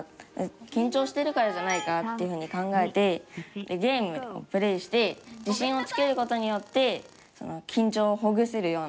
緊張してるからじゃないかなっていうふうに考えてゲームをプレーして自信をつけることによって緊張をほぐせるような。